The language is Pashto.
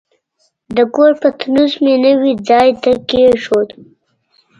د کور پتنوس مې نوي ځای ته کېښود.